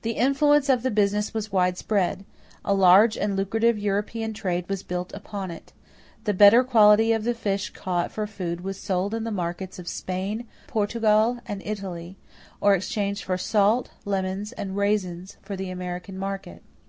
The influence of the business was widespread. A large and lucrative European trade was built upon it. The better quality of the fish caught for food was sold in the markets of Spain, Portugal, and Italy, or exchanged for salt, lemons, and raisins for the American market.